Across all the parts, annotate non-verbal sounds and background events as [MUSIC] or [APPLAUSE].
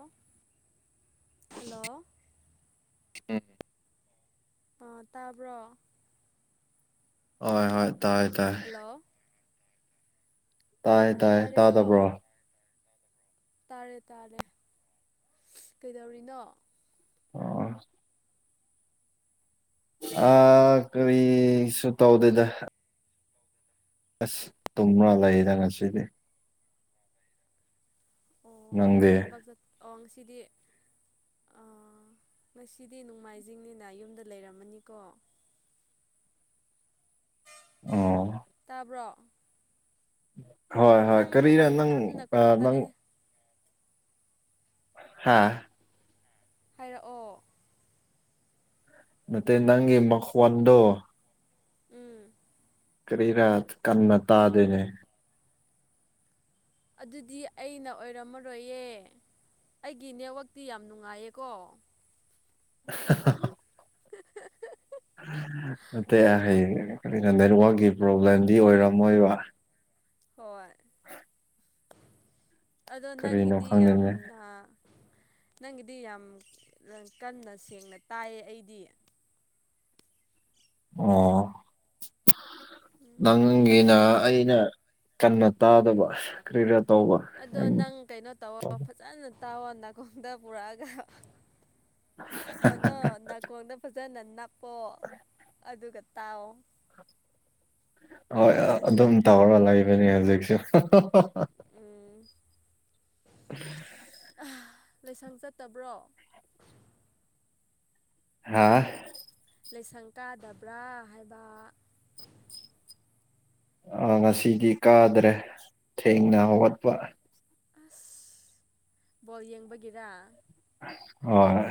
ꯑꫭ ꯍꯜꯂꯣ ꯎꯝ ꯑꫭ ꯇꯥꯕ꯭ꯔꯣ ꯍꯣꯏ ꯍꯣꯏ ꯇꯥꯏ ꯇꯥꯏ ꯍꯜꯂꯣ ꯇꯥꯏꯌꯦ ꯑꯣ ꯇꯥꯏꯌꯦ ꯇꯥꯔꯦꯀꯣ ꯇꯥꯗꯕ꯭ꯔꯣ ꯇꯥꯔꯦ ꯇꯥꯔꯦ ꯏꯁ ꯀꯩꯗꯧꯔꯤꯅꯣ ꯑꫭ ꯑꯥ ꯀꯔꯤ ꯁꯨ ꯇꯧꯗꯦꯗ ꯑꯁ ꯇꯨꯝꯃ ꯂꯩꯗ ꯉꯁꯤꯗꯤ ꯑꯣ ꯅꯪꯗꯤ ꯊꯕꯛ ꯆꯠ ꯑꯣ ꯉꯁꯤꯗꯤ ꯑ ꯉꯁꯤꯗꯤ ꯅꯣꯡꯃꯥꯏꯖꯤꯡꯅꯤꯅ ꯌꯨꯝꯗ ꯂꯩꯔꯝꯃꯅꯤꯀꯣ ꯑꯣ ꯇꯥꯕ꯭ꯔꯣ ꯍꯣꯏ ꯍꯣꯏ ꯅꯪ ꯀꯔꯤꯔꯥ ꯌꯥꯝ ꯅꯪ ꯇꯞꯅ ꯑ ꯅꯪ ꯈꯨꯝꯂꯛꯑꯦ ꯍꯥꯥ ꯍꯥꯏꯔꯛ ꯑꯣ ꯅꯠꯇꯦ ꯅꯪꯒꯤ ꯃꯈꫭꯟꯗꫭ ꯎꯝ ꯀꯔꯤꯔ ꯀꯟꯅ ꯇꯥꯗꯅꯦ ꯑꯗꯨꯗꯤ ꯑꯩꯅ ꯑꯣꯏꯔꯝꯃꯔꯣꯏꯌꯦ ꯑꯩꯒꯤ ꯅꯦꯠꯋꯥꯛꯇꯤ ꯌꯥꯝ ꯅꯨꯡꯉꯥꯏꯌꯦꯀꯣ ꯍꯥ ꯍꯥ ꯍꯥ ꯑ ꯅꯠꯇꯦ ꯑꯩ ꯍꯩ ꯀꯔꯤꯅꯣ ꯅꯦꯠꯋꯥꯛꯛꯀꯤ ꯄ꯭ꯔꯣꯕ꯭ꯂꯦꯝꯗꯤ ꯑꯣꯏꯔꯝꯃꯣꯏꯕ ꯍꯣꯏ ꯍꯥ ꯑꯗꯣ ꯅꯪꯒꯤꯗꯤ ꯈꯪꯗꯦꯅꯦ ꯌꯥꯝꯅ ꯅꯪꯒꯤꯗꯤ ꯌꯥꯝ ꯑ‌ ꯀꯟꯅ ꯁꯦꯡꯅ ꯇꯥꯏꯌꯦ ꯑꯩꯗꯤ ꯑꯣ ꯎꯝ ꯅꯪꯒꯤꯅ ꯑꯩꯅ ꯀꯟꯅ ꯇꯥꯗꯕ ꯀꯔꯤꯔ ꯑꯗꯣ ꯅꯪ ꯀꯩꯅꯣ ꯇꯧꯋꫭ ꯍꯐꯖꯅ ꯇꯥꯎꯑꯣ ꯅꯥꯀꯣꯡꯗ ꯄꯨꯔꯛꯑꯒ ꯐꫭꯟꯗꫭ ꯅꯥꯀꯣꯡꯗ ꯐꯖꯅ ꯅꯞꯄꯣ ꯑꯗꯨꯒ ꯇꯥꯎ ꯍꯣꯏ ꯑꯗꯨꯝ ꯇꯧꯔꯒ ꯂꯩꯕꯅꯦ ꯍꯧꯖꯤꯛꯁꯨ ꯑꯥ ꯎꯝ [UNINTELLIGIBLE] ꯂꯥꯏꯁꯪ ꯆꯠꯇꯕ꯭ꯔꯣ ꯍꯥꯥ ꯂꯥꯏꯁꯪ ꯀꯥꯗꯕ꯭ꯔꯥ ꯍꯥꯏꯕ ꯑꯥ ꯉꯁꯤꯗꯤ ꯀꯥꯗ꯭ꯔꯦ ꯊꯦꯡꯅ ꯍꯧꯒꯠꯄ ꯑꯁ ꯕꯣꯜ ꯌꯦꯡꯕꯒꯤꯔ ꯍꯣꯏ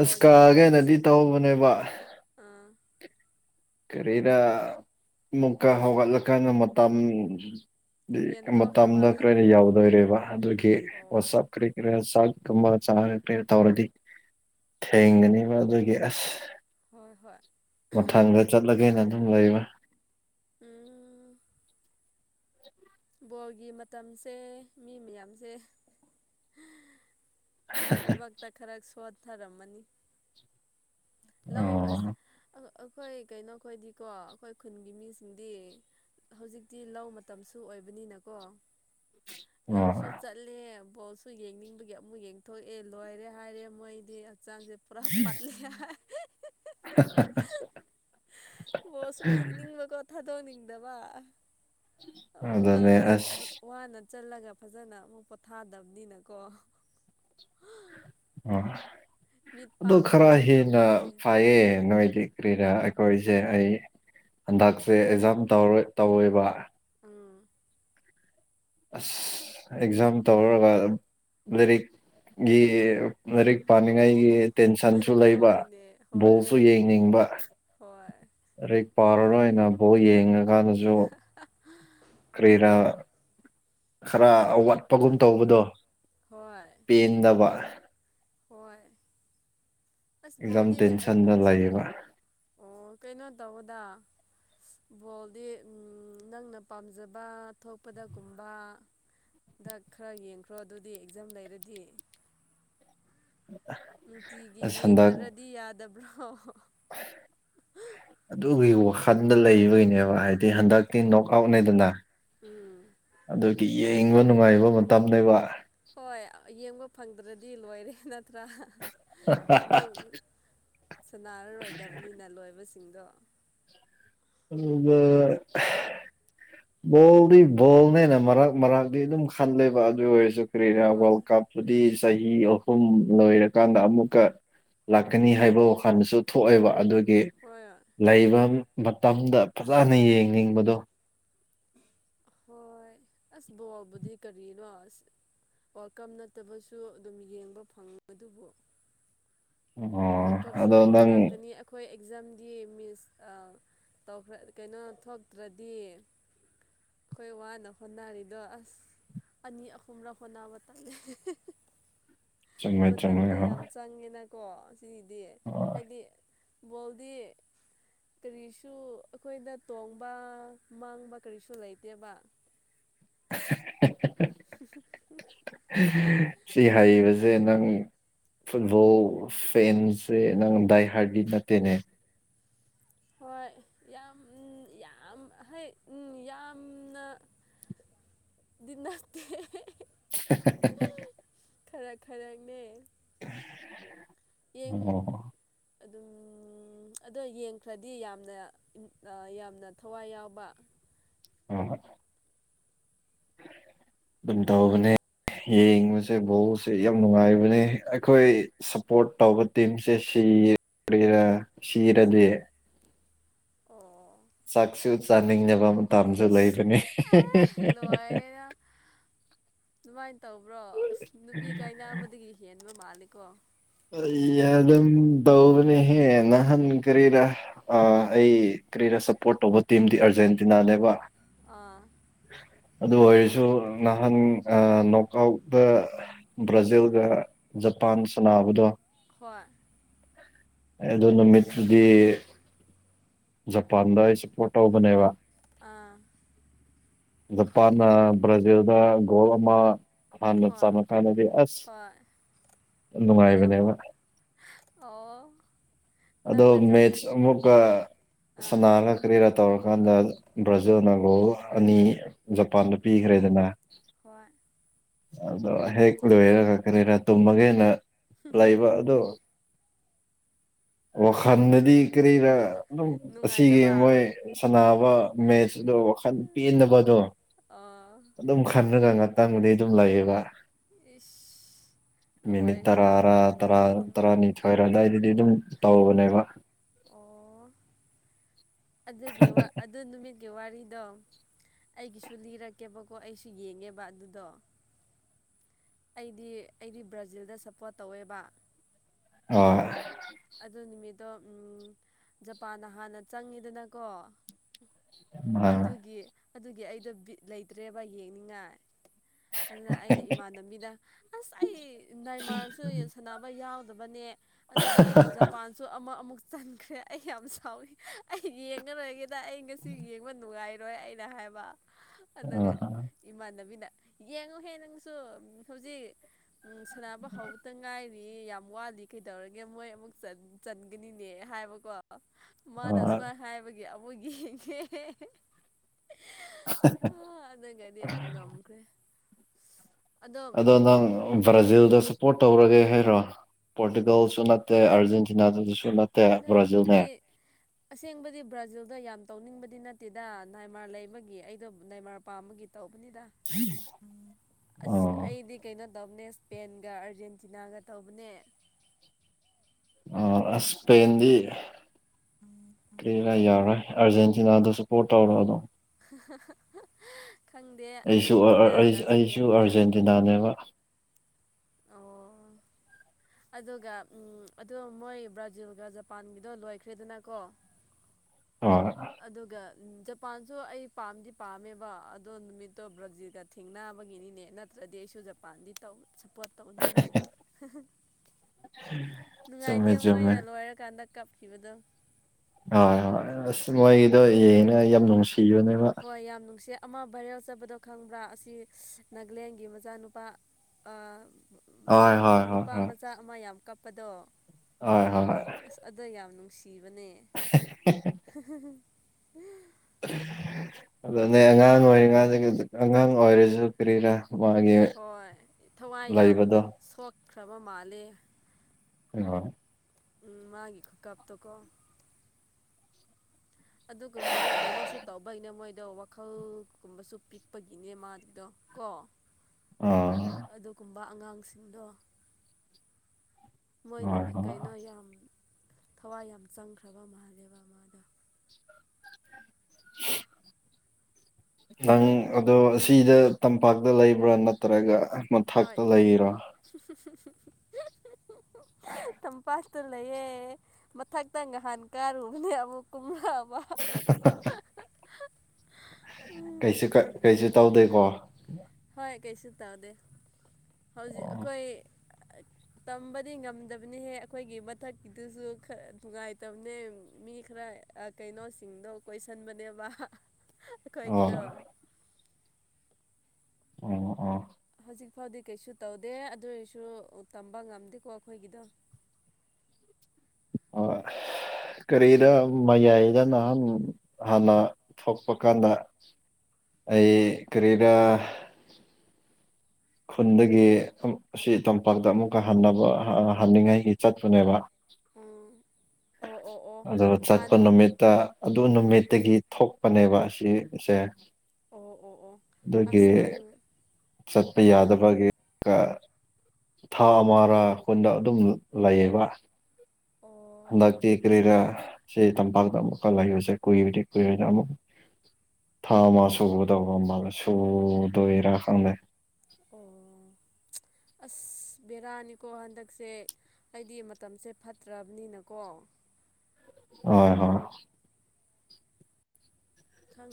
ꯑꯁ ꯀꯒꯦꯅꯗꯤ ꯃꯇꯝꯁꯦ ꯇꯧꯕꯅꯦꯕ ꯑꯥ ꯀꯔꯤꯔꯥ ꯑꯃꯨꯛꯀ ꯍꯧꯒꯠꯂꯀꯥꯟꯗ ꯃꯇꯝ ꯍꯦꯟꯗꯣꯛꯈ꯭ꯔꯕ ꯃꯇꯝꯗ ꯀꯔꯅ ꯌꯥꯎꯗꯣꯏꯔꯦꯕ ꯑꯗꯨꯒꯤ ꯋꯥꯁꯞ ꯑꯣ ꯀꯔꯤ ꯀꯔꯤ ꯆ [UNINTELLIGIBLE] ꯒꯨꯝꯕ ꯆꯥꯔ ꯀꯔ ꯇꯧꯔꯗꯤ ꯊꯦꯡꯒ [UNINTELLIGIBLE] ꯅꯦꯕ [UNINTELLIGIBLE] ꯑꯗꯨꯒꯤ ꯑꯁ ꯍꯣꯏ ꯍꯣꯏ ꯃꯊꯪꯗ ꯆꯠꯂꯒꯦꯅ ꯑꯗꯨꯝ ꯂꯩꯕ ꯎꯝ [INAUDIBLE] ꯕꯣꯜꯒꯤ ꯃꯇꯝꯁꯦ ꯃꯤ ꯃꯌꯥꯝꯁꯦ ꯊꯛ ꯇ ꯈꯔ ꯁꯣꯠ ꯊꯔꯃꯅꯤ ꯂꯧ ꯑꯁ ꯑꯣ ꯑꯩꯈꯣꯏ ꯀꯩꯅꯣ ꯈꯣꯏꯗꯤꯀꯣ ꯑꯩꯈꯣꯏ ꯈꯨꯟꯒꯤ ꯃꯤꯁꯤꯡꯗꯤ ꯍꯧꯖꯤꯛꯇꯤ ꯂꯧ ꯃꯇꯝꯁꯨ ꯑꯣꯏꯕꯅꯤꯅꯀꯣ ꯑꯣ ꯂꯧꯁꯨ ꯆꯠꯂꯦ ꯕꯣꯜꯁꯨ ꯌꯦꯡꯅꯤꯡꯕꯒꯤ ꯑꯃꯨꯛ ꯌꯦꯡꯊꯣꯛꯑꯦ ꯂꯣꯏꯔꯦ ꯍꯥꯏꯔꯦ ꯃꯣꯏꯗꯤ ꯆꯥꯟꯖꯦ ꯄꯨꯔꯥ ꯠꯂꯤ ꯍꯥꯏ ꯑꯆꯥ [UNINTELLIGIBLE] ꯃꯥꯁꯨ ꯌꯦꯡꯅꯤꯡꯕꯀꯣ ꯊꯥꯗꯣꯛꯅꯤꯡꯗꯕ ꯑꯃꯨꯛ ꯑꯗꯨꯅꯦ ꯂꯧꯗ ꯑꯁ ꯋꯥꯅ ꯆꯠꯂꯒ ꯐꯖꯅ ꯑꯃꯨꯛ ꯄꯣꯊꯥꯗꯕꯅꯤꯅꯀꯣ ꯃꯤꯠ ꯑꯗꯨ ꯈꯔ ꯄꯥꯡꯕꯒꯁꯨ ꯍꯦꯟꯅ ꯉꯝꯗ꯭ꯔꯦ ꯐꯩꯌꯦ ꯅꯣꯏꯗꯤ ꯀꯔꯤꯔꯥ ꯑꯩꯈꯣꯏꯁꯦ ꯑꯩ ꯍꯟꯗꯛꯁꯦ ꯑꯦꯛꯖꯥꯝ ꯇꯧ ꯇꯧꯋꯦꯕ ꯎꯝ ꯑꯁ ꯑꯦꯛꯖꯥꯝ ꯇꯧꯔꯒ ꯂꯥꯏꯔꯤꯛꯒꯤ ꯂꯥꯏꯔꯤꯛ ꯑꯣ ꯄꯥꯅꯤꯡꯉꯥꯏꯒꯤ ꯇꯦꯟꯁꯟꯁꯨ ꯂꯩꯕ ꯍꯣꯏꯅꯦ ꯍꯣꯏ ꯕꯣꯜꯁꯨ ꯌꯦꯡꯅꯤꯡꯕ ꯍꯣꯏ ꯂꯥꯏꯔꯤꯛ ꯄꯥꯔꯔꯣꯏꯅ ꯕꯣꯜ ꯌꯦꯡꯉꯀꯥꯟꯗꯁꯨ ꯀꯔꯤꯔꯥ ꯑꯃꯨꯛ ꯈꯔ ꯑꯋꯥꯠꯄꯒꯨꯝ ꯇꯧꯕꯗꯣ ꯍꯣꯏ ꯄꯦꯟꯗꯕ ꯍꯣꯏ ꯑꯁ ꯑꯦꯛꯖꯥꯝ ꯕꯣꯜꯗꯤ ꯀ ꯇꯦꯟꯁꯟꯗ ꯂꯩꯌꯦꯕ ꯑꯣ ꯀꯩꯅꯣ ꯇꯧꯑꫭꯗ ꯕꯣꯜꯗꯤ ꯅꯪꯅ ꯄꯥꯝꯖꯕ ꯊꯣꯛꯄꯗꯒꯨꯝꯕ ꯍꯟꯗꯛ ꯈꯔ ꯌꯦꯡꯈ꯭ꯔꯣ ꯑꯗꯨꯗꯤ ꯑꯦꯛꯖꯥꯝ ꯂꯩꯔꯗꯤ ꯅꯨꯡꯇꯤꯒꯤ ꯑꯁ ꯍꯟꯗꯛ ꯌꯦꯡꯗ꯭ꯔꯗꯤ ꯌꯥꯗꯕ꯭ꯔꯣ ꯑꯗꯨꯒꯤ ꯋꯥꯈꯜꯗ ꯂꯩꯕꯒꯤꯅꯦꯕ ꯍꯥꯏꯗꯤ ꯍꯟꯗꯛꯇꯤ ꯅꯣꯛ ꯑꯥꯎꯠꯅꯦꯗꯅ ꯑꯗꯨꯒꯤ ꯌꯦꯡꯕ ꯅꯨꯡꯉꯥꯏꯕ ꯃꯇꯝꯅꯦꯕ ꯍꯣꯏ ꯌꯦꯡꯕ ꯐꯪꯗ꯭ꯔꯗꯤ ꯂꯣꯏꯔꯦ ꯅꯠꯇ꯭ꯔꯥ ꯑꯃꯨꯛ ꯁꯅꯥꯔꯔꯣꯏꯗꯕꯅꯤꯅ ꯂꯣꯏꯕꯁ ꯁꯤꯡꯗꫭ ꯑ [UNINTELLIGIBLE] ꯕꯣꯜꯗꯤ ꯕꯣꯜꯅꯦꯅ ꯃꯔꯛ ꯃꯔꯛꯇꯤ ꯑꯗꯨꯝ ꯈꯜꯂꯦꯕ ꯑꯗꯨ ꯑꯣꯏꯔꯁ ꯀ꯭ꯔꯦꯔ ꯍꯣꯏ ꯋꯥꯔꯜ ꯀꯞꯇꯨꯗꯤ ꯆꯍꯤ ꯑꯍꯨꯝ ꯂꯣꯏꯔꯀꯥꯟꯗ ꯑꯃꯨꯛꯀ ꯂꯥꯛꯀꯅꯤ ꯍꯥꯏꯕ ꯋꯥꯈꯜꯗꯁꯨ ꯊꯣꯛꯑꯦꯕ ꯑꯗꯨ ꯍꯣꯏ ꯂꯩꯕ ꯃꯇꯝꯗ ꯐꯖꯅ ꯌꯦꯡꯅꯤꯡꯕꯗꯣ ꯍꯣꯏ ꯑꯁ ꯕꫭꯕꯨꯗꯤ ꯀꯔꯤ ꯅꫭ ꯑꯁ ꯋꯥꯦꯜꯀꯝ ꯅꯠꯇꯕꯁꯨ ꯑꯗꯨꯝ ꯌꯦꯡꯕ ꯐꯪꯉ ꯗꯨꯕꯨ ꯑꯣ ꯑꯗꯣ ꯅꯪ ꯑꯩꯈꯣꯏ ꯑꯦꯛꯖꯥꯝꯗꯤ ꯃꯤꯁ ꯇꯧꯈ꯭ꯔ ꯀꯩꯅꯣ ꯊꯣꯛꯇ꯭ꯔꯗꯤ ꯑꯩꯈꯣꯏ ꯋꯥꯅ ꯍꯣꯠꯅꯔꯤꯗꯣ ꯑꯁ ꯑꯅꯤ ꯑꯍꯨꯝꯔ ꯍꯣꯠꯅꯕ ꯇꯟꯂꯦ ꯆꯨꯝꯃꯦ ꯆꯨꯝꯃꯦ ꯃꯇꯝꯗꯣ ꯌꯥꯝ ꯍꯣꯏ ꯆꯪꯉꯦꯅꯀꯣ ꯁꯤꯒꯤꯗꯤ ꯍꯣꯏ ꯍꯥꯏꯗꯤ ꯕꯣꯜꯗꯤ ꯀꯔꯤꯁꯨ ꯑꯩꯈꯣꯏꯗ ꯇꯣꯡꯕ ꯃꯥꯡꯕ ꯀꯔꯤꯁꯨ ꯂꯩꯇꯦꯕ ꯍ [UNINTELLIGIBLE] [UNINTELLIGIBLE] ꯁꯤ ꯍꯥꯏꯔꯤꯕꯁꯦ ꯅꯪ ꯐꯨꯠꯕꯣꯜ ꯐꯦꯟꯁꯦ ꯅꯪ ꯗꯥꯏ ꯍꯥꯏꯔꯗꯤ ꯅꯠꯇꯦꯅꯦ ꯍꯣꯏ ꯌꯥꯝ ꯎꯝ ꯌꯥꯝ ꯍ ꯎꯝ ꯌꯥꯝꯅ ꯗꯤ ꯅꯠꯇꯦꯍꯦ [UNINTELLIGIBLE] ꯈꯔ ꯈꯔꯅꯦ ꯌꯦꯡ ꯑꯣ ꯑꯗꯨꯝ ꯎꯝ ꯑꯗꯣ ꯌꯦꯡꯈ꯭ꯔꯗꯤ ꯌꯥꯝꯅ ꯌꯥꯝꯅ ꯊꯋꯥꯏ ꯌꯥꯎꯕ ꯑ [UNINTELLIGIBLE] ꯑꯪ ꯇꯧꯕꯅꯦ ꯌꯦꯡꯕꯁꯦ ꯕꯣꯜ ꯁꯦ ꯌꯥꯝ ꯅꯨꯡꯉꯥꯏꯕꯅꯦ ꯑꯩꯈꯣꯏ ꯁꯞꯄꯣꯔꯠ ꯇꯧꯕ ꯇꯤꯝꯁꯦ ꯁꯤ ꯌꯦꯡꯗꯔꯤꯉꯩꯗ ꯁꯤ ꯁꯤꯔꯥꯗꯤ ꯑꯣ ꯆꯥꯛꯁꯨ ꯆꯅꯤꯡꯗꯕ ꯃꯇꯝꯁꯨ ꯏꯁ ꯂꯩꯕꯅꯤ ꯂꯣꯏꯔꯦꯗ ꯑꯗꯨꯃꯥꯏꯅ ꯇꯧꯕ꯭ꯔꯣ ꯑꯁ ꯅꯨꯄꯤ ꯀꯥꯏꯅꯥꯕꯗꯒꯤ ꯍꯦꯟꯕ ꯃꯥꯜꯂꯤꯀꯣ ꯑꯩ ꯑꯗꯨꯝ ꯇꯧꯕꯅꯦꯍꯦ ꯅꯍꯥꯟ ꯀꯔꯤꯔ ꯑ ꯑꯩ ꯀꯔꯤꯔ ꯁꯞꯄꯣꯔꯠ ꯇꯧꯕ ꯇꯤꯝꯗꯤ ꯑꯥꯔꯖꯦꯟꯇꯤꯅꯥꯅꯦꯕ ꯑ ꯑꯗꯨ ꯑꯣꯏꯔꯁꯨ ꯅꯍꯥꯟ ꯅꯣꯛꯑꯥꯎꯠꯇ ꯕ꯭ꯔꯥꯖꯤꯜꯒ ꯄꯥꯟ ꯁꯅꯥ ꯍꯣꯏ ꯑꯗꯨ ꯅꯨꯃꯤꯠꯇꯨꯗꯤ ꯖꯄꯥꯟꯗ ꯑꯩꯁꯦ ꯁꯄꯣꯔꯠ ꯇꯧꯕꯅꯦꯕ ꯑꯥ ꯖꯄꯥꯥꯟ ꯅ ꯕꯥꯔꯖꯤꯜ ꯗ ꯒꯣꯜ ꯑꯃꯥ ꯍꯅ ꯍꯣꯏ ꯆꯜꯂ ꯀꯥꯟꯅꯗꯤ ꯑꯁ ꯍꯣꯏ ꯌꯥꯝ ꯅꯨꯡꯉꯥꯏꯕꯅꯦꯕ ꯑꯣ ꯑꯗꯣ ꯅꯪꯅ ꯖꯞ ꯃꯦꯠꯁ ꯑꯃꯨꯛꯀ ꯁ ꯑꯥ ꯅꯜ ꯀꯔꯤꯔ ꯇꯧꯀꯥꯟꯗ ꯕꯔꯥꯖꯤꯜꯅ ꯒꯣꯜ ꯑꯅꯤ ꯖꯄꯥꯟꯗ ꯎꯝ ꯄꯤꯈ꯭ꯔꯦꯗꯅ ꯍꯣꯏ ꯑꯗꯣ ꯍꯦꯛ ꯂꯣꯏꯔꯒ ꯀꯔꯤꯔꯥ ꯇꯨꯝꯃꯒꯦꯅ ꯂꯩꯕ ꯑꯗꯣ ꯋꯥꯈꯥꯟꯗ ꯀ ꯀꯔꯤꯔ ꯑꯗꯨꯝ ꯑꯁꯤꯒꯤ ꯅꯨꯡꯉꯥꯏꯇꯕ ꯃꯣꯏ ꯁꯥꯟꯅꯕ ꯃꯦꯠꯆꯗꯣ ꯋꯥꯈꯜ ꯄꯦꯟꯅ ꯍꯥꯏꯕꯗꯣ ꯑꯥ ꯑꯗꯨꯝ ꯈꯟꯂꯒ ꯉꯥꯛꯇꯪꯕꯨꯗꯤ ꯑꯗꯨꯝ ꯂꯩꯌꯦꯕ ꯑꯦꯁ ꯃꯤꯅꯤꯠ ꯇꯔꯥꯔꯥ ꯇꯔꯥ ꯑꯗꯨꯒꯤꯗꯤ ꯇꯔꯥꯅꯤꯊꯣꯢꯔ ꯑꯣꯏꯔꯗꯥꯏꯗꯨꯗꯤ ꯑꯗꯨꯝ ꯇꯧꯕꯅꯦꯕ ꯑꯣ ꯑꯗꯨꯒꯤ ꯋꯥ ꯑꯗꯨ ꯅꯨꯃꯤ ꯋꯥꯔꯤꯗꯣ ꯑꯩꯒꯤꯁꯨ ꯂꯤꯔꯛꯀꯦꯕꯀꯣ ꯑꯩꯁꯨ ꯌꯦꯡꯉꯦꯕ ꯑꯗꯨꯗꯣ ꯑꯩꯗꯤ ꯑꯩꯗꯤ ꯕ꯭ꯔꯥꯖꯤꯜꯗ ꯁꯞꯄꯣꯔꯠ ꯇꯧꯋꯦꯕ ꯑ ꯑꯗꯨ ꯅꯨꯃꯤꯠꯇꯣ ꯎꯝ ꯖꯄꯥꯟꯗ ꯍꯥꯟꯅ ꯆꯪꯉꯤꯗꯅꯀꯣ ꯑ ꯑꯗꯨꯒꯤ ꯑꯗꯨꯒꯤ ꯑꯩꯗꯣ ꯕꯤꯠ ꯂꯩꯇ꯭ꯔꯦꯕ ꯌꯦꯡꯅꯤꯡꯉꯥꯏ ꯑꯗꯨꯅ ꯑꯩꯅ ꯏꯃꯥꯟꯅꯕꯤꯗ ꯑꯁ ꯑꯩ ꯅꯩꯃꯥꯔꯁꯨ ꯁꯥꯟꯅꯕ ꯌꯥꯎ ꯗꯕꯅꯦ ꯑꯗꯨꯒ ꯖꯄꯥꯟꯁꯨ ꯑꯃ ꯑꯃꯨꯛ ꯆꯟꯈ꯭ꯔꯦ ꯑꯩ ꯌꯥꯝ ꯁꯥꯎꯋꯤ ꯑꯩ ꯌꯦꯡꯒꯔꯣꯏꯒꯦꯗ ꯑꯩ ꯉꯁꯤ ꯌꯦꯡꯕ ꯅꯨꯡꯉꯥꯏꯔ ꯔꯣꯏ ꯑꯩꯅ ꯍꯥꯏꯕ ꯑꯗꯨꯒ ꯏꯃꯥꯟꯅꯕꯤꯅ ꯌꯦꯡꯉꯨꯍꯦ ꯅꯪꯁꯨ ꯍꯧꯖꯤꯛ ꯎ ꯁꯥꯟꯅꯕ ꯍꯧꯕꯇ ꯉꯥꯏ ꯌꯥꯝ ꯋꯥꯠꯂꯤ ꯀꯩꯗꯧꯔꯒꯦ ꯃꯣꯏ ꯑꯃꯨꯛ ꯆꯟ ꯆꯟꯒꯅꯤꯅꯦ ꯍꯥꯏꯕꯀꯣ ꯑ ꯃꯥꯅ ꯁꯨꯃꯥꯏꯅ ꯍꯥꯏꯕꯒꯤ ꯑꯃꯨꯛ ꯌꯦꯡꯉꯦ ꯑꯗꯨꯒꯗꯤ ꯑ ꯉꯝꯈ꯭ꯔꯦ ꯑꯗꯣ ꯑꯗꯨ ꯅꯪ ꯕꯔ꯭ꯖꯤꯜꯗ ꯁꯥ ꯄꯣꯔꯠ ꯇꯧꯔꯒꯦ ꯍꯥꯏꯔꯣ ꯄꯣꯔꯇꯨꯒꯜꯁꯨ ꯅꯠꯇꯦ ꯑꯥꯔꯖꯦꯟꯇꯤꯅꯥꯗꯨꯁꯨ ꯅꯠ ꯑꯩ ꯑꯁꯦꯡꯕꯗꯤ ꯕ꯭ꯔꯥꯖꯤꯜꯗ ꯌꯥꯝ ꯇꯧꯅꯤꯡꯕ ꯗꯤ ꯅꯠꯇꯦꯗ ꯅꯥꯏꯃꯥꯔ ꯂꯩꯕꯒꯤ ꯑꯩꯗꯣ ꯅꯥꯏꯃꯔ ꯄꯥꯝꯕꯒꯤ ꯇꯧꯕꯅꯤꯗ ꯑꯁ ꯑꯣ ꯑꯩꯗꯤ ꯀꯩꯅꯣ ꯇꯧꯕꯦꯁ ꯄꯦꯟꯒ ꯑꯥꯔꯖꯦꯟꯇꯤꯅꯥꯒ ꯇꯧꯕꯅꯦ ꯑ ꯑ ꯏꯁꯄꯦꯟꯗꯤ ꯀꯔꯤꯔꯥ ꯌꯥꯎꯔꯣꯏ ꯑꯥꯔꯖꯦꯟꯇꯤꯅꯥꯗ ꯁꯄꯣꯔꯠ ꯇꯧꯔꯣ ꯑꯗꯨꯝ [UNINTELLIGIBLE] ꯑꯩꯁꯨ ꯑꯥꯔꯖꯦꯟꯇꯤꯅꯥꯒ ꯑꯩꯁꯨ ꯏꯁꯄꯦꯟꯒ ꯑꯥꯔꯖꯦꯟꯇꯤꯅꯥꯅꯦꯕ ꯑꯣ ꯑꯗꯨꯒ ꯎ ꯑꯗꯨ ꯃꯣꯏ ꯕ꯭ꯔꯥꯖꯤꯜꯒ ꯖꯄꯥꯟꯒꯤꯗꯣ ꯂꯣꯏꯈ꯭ꯔꯦꯗꯅꯀꯣ [INAUDIBLE] ꯑ ꯑꯗꯨꯒ ꯖꯄꯥꯟꯁꯨ ꯑꯩ ꯄꯥꯝꯗꯤ ꯄꯥꯝꯃꯦꯕ ꯑꯗꯣ ꯅꯨꯃꯤꯠꯇꯣ ꯕ꯭ꯔꯥꯖꯤꯜꯒ ꯊꯦꯡꯅꯕꯒꯤꯅꯤꯅꯦ ꯅꯠꯇ꯭ꯔꯥ ꯗꯤ ꯑꯩꯁꯨ ꯖꯄꯥꯥꯟꯗꯤ ꯇꯧ ꯁꯕ [UNINTELLIGIBLE] ꯅꯨꯡꯉꯥꯏꯇꯦ ꯆꯨꯝꯃꯦ ꯆꯨꯝꯃꯦ ꯃꯣꯏꯅ ꯂꯣꯏꯔꯀꯥꯟꯗ ꯀꯞꯈꯤꯕꯗꯣ ꯍꯣꯏ ꯍꯣꯏ ꯑꯁ ꯃꯣꯏꯗꯣ ꯌꯦꯅ ꯌꯥꯝ ꯅꯨꯡꯁꯤ ꯍꯣꯏ ꯌꯥꯝ ꯅꯨꯡꯁꯤ ꯑꯃ ꯚꯥꯏꯔꯦꯜ ꯆꯠꯄꯗꯣ ꯈꯪꯕ꯭ꯔꯥ ꯑ ꯁꯤ ꯅꯥꯒꯂꯦꯟꯒꯤ ꯃꯆꯥꯅꯨꯄꯥ ꯍꯣꯏ ꯍꯣꯏ ꯍꯣꯏ ꯅꯨꯄꯥ ꯃꯆꯥ ꯑꯃ ꯌꯥꯝ ꯀꯞꯄꯗꯣ ꯍꯣꯏ ꯍꯣꯏ ꯍꯣꯏ ꯁꯤꯕꯅꯦ ꯑꯗꯨ ꯅꯦ ꯑꯉꯥꯡ ꯑꯣꯏꯔꯤꯉꯥꯁꯤ ꯑꯉꯥꯡ ꯑꯣꯏꯔꯁꯨ ꯀꯔꯤꯔ ꯍꯣꯏ ꯊꯋꯥꯏ ꯌꯥꯝ ꯂꯩꯕꯗꯣ ꯁꯣꯛꯈ꯭ꯔꯕ ꯃꯥꯂꯦ ꯑ ꯎꯝ ꯃꯥꯒꯤ ꯈꯨ ꯀꯞ ꯇꯣꯀꯣ ꯑꯗꯨꯒꯨꯝꯕꯗꯣ ꯀꯩꯅꯣꯁꯨ ꯇꯧꯕꯒꯤꯅꯦ ꯃꯣꯏꯗꯣ ꯋꯥꯈꯜꯒꯨꯝꯕꯁꯨ ꯄꯤꯛꯄꯒꯤꯅꯦ ꯃꯥꯒꯤꯗꯣ ꯀꯣ ꯑꯥ ꯇꯝꯕ ꯑꯉꯥꯡꯁꯤꯡꯗꯣ ꯃꯣꯏ ꯍꯣꯏ ꯍꯣꯏ ꯀꯩꯅꯣ ꯌꯥꯝ ꯊꯋꯥꯏ ꯌꯥꯝ ꯆꯪꯈ꯭ꯔꯕ ꯃꯍꯥꯂꯦꯕ ꯃꯥꯗꯣ ꯅꯪ ꯑꯗꯣ ꯁꯤꯗ ꯇꯝꯄꯥꯛꯇ ꯂꯩꯕ꯭ꯔꯥ ꯅꯠꯇ꯭ꯔꯒ ꯍꯣꯏ ꯃꯊꯛꯇ ꯂꯩꯔꯣ ꯆꯝꯄꯥꯛ ꯂꯩꯌꯦꯦ ꯃꯊꯛꯇ ꯉꯍꯥꯟ ꯀꯥꯔꯨꯕꯅꯦ ꯑꯃꯨꯛ ꯀꯨꯝ [UNINTELLIGIBLE] ꯎꯝ ꯀꯩꯁꯨ ꯀꯩꯁꯨ ꯇꯧꯗꯣꯏꯀꯣ ꯍꯣꯏ ꯀꯩꯁꯨ ꯇꯧꯗꯦ ꯍꯧꯖꯤꯛ ꯑꯣ ꯑꯩꯈꯣꯏ ꯇꯝꯕꯗꯤ ꯉꯝꯗꯕꯅꯤꯍꯦ ꯑꯩꯈꯣꯏꯒꯤ ꯃꯊꯛꯀꯤꯗꯨꯁꯨ ꯈꯔ ꯅꯨꯡꯉꯥꯏꯇꯕꯅꯦ ꯃꯤ ꯈꯔ ꯀꯩꯅꯣꯁꯤꯡꯗꯣ ꯀꯣꯏꯁꯤꯟꯕꯅꯦꯕ ꯑꯣ ꯑꯩꯈꯣꯏꯒꯤꯗꯣ ꯑꯣ ꯑꯣ ꯍꯧꯖꯤꯛ ꯐꯥꯎꯗꯤ ꯀꯩꯁꯨ ꯇꯧꯗꯦ ꯑꯗꯨ ꯑꯣꯏꯔꯁꯨ ꯇꯝꯕ ꯉꯝꯗꯦꯀꯣ ꯑꯩꯈꯣꯏꯒꯤꯗꯣ [UNINTELLIGIBLE] ꯑꯣ ꯀꯔꯤꯗ ꯃꯌꯥꯏꯗ ꯅꯍꯥꯟ ꯍꯥꯟꯅ ꯊꯣꯛꯄ ꯀꯥꯟꯗ ꯑꯩ ꯀꯔꯤꯔ ꯈꯨꯟꯗꯒꯤ ꯑꯁꯤ ꯇꯝꯄꯥꯛꯇ ꯑꯃꯨꯛꯀ ꯍꯟꯅꯕ ꯍꯟꯅꯤꯡꯉꯥꯏꯒꯤ ꯆꯠꯄꯅꯦꯕ ꯑꯣ ꯑꯣ ꯑꯣ ꯑꯗꯨ ꯍꯥꯟ ꯆꯠꯄ ꯅꯨꯃꯤꯠꯇ ꯑꯗꯨ ꯎꯝ ꯅꯨꯃꯤꯠꯇꯒꯤ ꯊꯣꯛꯄꯅꯦꯕ ꯁꯤꯁꯦ [UNINTELLIGIBLE] ꯑꯣ ꯑꯣ ꯑꯣ ꯑꯁ ꯅꯪ ꯑꯩ ꯎꯝ ꯌꯥꯗꯕꯒꯤ ꯀ ꯊꯥ ꯑꯃꯔ ꯀꯨꯟꯗ ꯑꯗꯨꯝ ꯂꯩꯌꯦꯕ ꯂ ꯑꯣ ꯀꯔꯤꯔ ꯁꯤ ꯇꯝꯄꯥꯛꯇ ꯑꯃꯨꯛꯀꯂꯛꯏꯕꯁꯦ ꯀꯨꯏꯔꯗꯤ ꯀꯨꯏꯔꯅꯤ ꯑꯃꯨꯛ ꯊꯥ ꯃꯥ ꯁꯨꯕꯗꯧꯕ ꯃꯥꯜꯂ ꯁꯨꯗꯣꯏꯔꯥ ꯈꯪꯗꯦ ꯑꯣ ꯑꯁ ꯕꯦꯔꯥꯅꯤꯀꯣ ꯍꯟꯗꯛꯁꯦ ꯑꯩꯗꯤ ꯃꯇꯝꯁꯦ ꯐꯠꯇ꯭ꯔꯕꯅꯤꯅꯀꯣ ꯍꯣꯏ ꯍꯣꯏ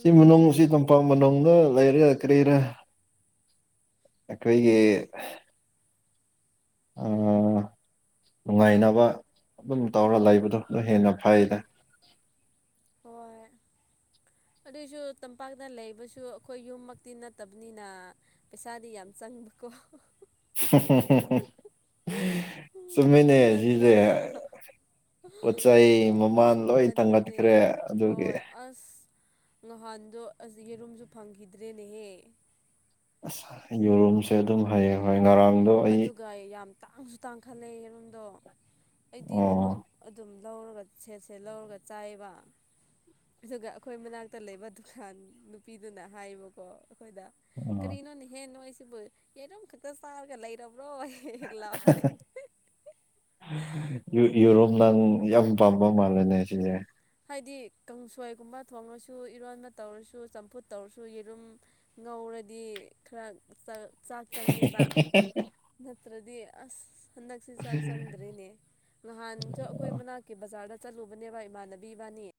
ꯁꯤ ꯃꯅꯨꯡ ꯁꯤ ꯇꯝꯄꯥꯛ ꯃꯅꯨꯡꯗꯗ ꯂꯩꯔꯦ ꯀꯔꯤꯔꯦ ꯑꯩꯈꯣꯏꯒꯤ ꯅꯨꯡꯉꯥꯏꯅꯕ ꯑꯗꯨꯝ ꯇꯧꯔ ꯎꯝ ꯂꯩꯕꯗꯣ ꯑꯗꯨ ꯍꯦꯟꯅ ꯐꯩꯔ ꯎꯝ [INAUDIBLE] ꯑꯗꯨꯏꯁꯨ ꯇꯝꯄꯥꯛꯇ ꯂꯩꯕꯁꯨ ꯑꯩꯈꯣꯏ ꯌꯨꯝꯃꯛꯇꯤ ꯅꯠꯇꯕꯅꯤꯅ ꯄꯩꯁꯥꯗꯤ ꯌꯥꯝ ꯆꯪꯉ [UNINTELLIGIBLE] ꯀꯣ ꯁꯃꯤꯅꯦ ꯅꯠꯇ꯭ꯔꯥ ꯁꯤꯁꯦ ꯄꯣꯠ ꯆꯩ ꯃꯃꯥꯟ ꯂꯣꯏ ꯑꯗꯨꯅꯦ ꯊꯥꯡꯒꯠꯈ꯭ꯔꯦ ꯑꯗꯨꯒꯤ ꯍꯣꯏ ꯑꯁ ꯅꯍꯥꯟꯗꯣ ꯑꯁꯤꯒꯤꯔꯨꯝꯁꯨ ꯐꯪꯈꯤꯗ꯭ꯔꯦꯅꯦꯍꯦ ꯑꯁ ꯌꯨꯔꯨꯝꯁꯦ ꯑꯗꯨꯝ ꯍꯌꯦꯡ ꯍꯣꯏ ꯉꯔꯥꯡꯗꯣ ꯑꯩ ꯑꯗꯨꯒ ꯌꯥꯝ ꯇꯥꯡꯁꯨ ꯇꯥꯡꯈꯠꯂꯦ ꯌꯦꯔꯨꯝꯗꯣ ꯑꯩꯗꯤ ꯑꯣ ꯌꯦꯔꯨꯝ ꯑꯗꯨꯝ ꯂꯧꯔꯒ ꯁꯦꯠ ꯁꯦꯠ ꯂꯧꯔꯒ ꯆꯥꯏꯕ ꯑꯗꯨꯒ ꯑꯩꯈꯣꯏ ꯃꯅꯥꯛꯇ ꯂꯩꯕ ꯗꯨꯀꯥꯟ ꯅꯨꯄꯤꯗꯨꯅ ꯍꯥꯏꯕꯀꯣ ꯑꯩꯈꯣꯏꯗ ꯑꯣ ꯀꯔꯤꯅꯣꯅ ꯍꯦ ꯅꯣꯁꯤꯕꯨ ꯌꯦꯔꯨꯝ ꯈꯛꯇ ꯆꯥꯔꯒ ꯂꯩ ꯌꯨꯔꯣꯝ ꯅꯪ ꯌꯥꯝ ꯄꯕ ꯃꯥꯔꯅꯦ ꯁꯤꯒꯦ ꯍꯥꯏꯗꯤ ꯀꯥꯡꯁꯣꯏꯒꯨꯝꯕ ꯊꯣꯡꯂꯁꯨ ꯏꯔꯣꯟꯕ ꯇꯧꯔꯁꯨ ꯆꯝꯐꯨꯠ ꯇꯧꯔꯁꯨ ꯌꯦꯔꯨꯝ ꯉꯧꯔ ꯗꯤ ꯈꯔ ꯆꯥꯛ ꯆꯪꯉꯦꯕ ꯅꯠꯇ꯭ꯔꯗꯤ ꯑꯁ ꯍꯟꯗꯛꯁꯤ ꯆꯥꯛ ꯆꯪꯗ꯭ꯔꯔꯤꯅꯦ ꯅꯍꯥꯟꯁꯨ ꯑꯩꯈꯣꯏ ꯃꯅꯥꯛꯀꯤ ꯕꯖꯥꯔꯗ ꯆꯠꯂꯨꯕꯅꯦꯕ ꯏꯃꯥꯟꯅꯕꯤ ꯕꯤꯕꯥꯅꯤ